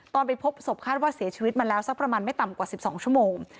ไปพบศพคาดว่าเสียชีวิตมาแล้วสักประมาณไม่ต่ำกว่า๑๒ชั่วโมง